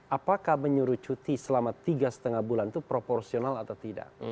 apakah menyuruh cuti selama tiga lima bulan itu proporsional atau tidak